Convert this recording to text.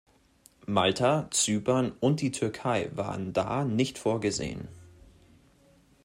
Malta, Zypern und die Türkei waren da nicht vorgesehen.